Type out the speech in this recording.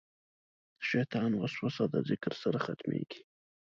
د شیطان وسوسه د ذکر سره ختمېږي.